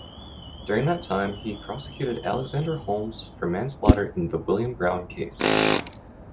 During that time, he prosecuted Alexander Holmes for manslaughter in the "William Brown" case.